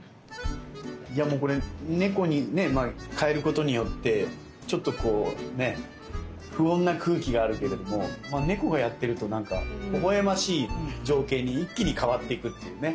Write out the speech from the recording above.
いやもうこれ猫にねかえることによってちょっとこう不穏な空気があるけれども猫がやってるとほほ笑ましい情景に一気に変わっていくっていうね。